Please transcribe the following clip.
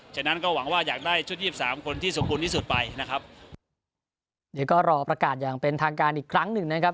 ฉะนั้นก็หวังว่าอยากได้ชุดยี่สิบสามคนที่สมบูรณ์ที่สุดไปนะครับเดี๋ยวก็รอประกาศอย่างเป็นทางการอีกครั้งหนึ่งนะครับ